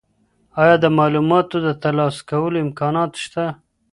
ایا د معلوماتو د ترلاسه کولو امکانات شته؟